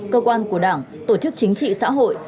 cơ quan của đảng tổ chức chính trị xã hội